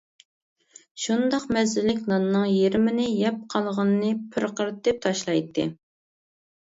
شۇنداق مەززىلىك ناننىڭ يېرىمىنى يەپ قالغىنىنى پىرقىرىتىپ تاشلايتتى.